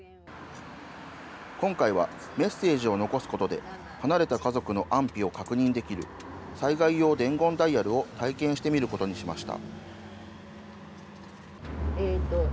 今回はメッセージを残すことで、離れた家族の安否を確認できる、災害用伝言ダイヤルを体験してみることにしました。